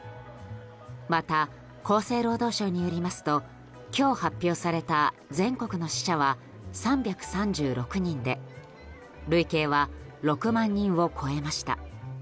また、厚生労働省によりますと今日発表された全国の死者は３３６人で累計は６万人を超えました。